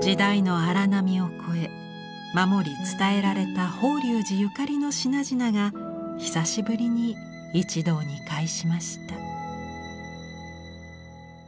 時代の荒波を超え守り伝えられた法隆寺ゆかりの品々が久しぶりに一堂に会しました。